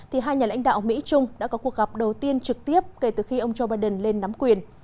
hai nhà lãnh đạo mỹ trung đã có cuộc gặp đầu tiên trực tiếp kể từ khi ông joe biden lên nắm quyền